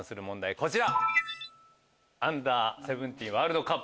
こちら。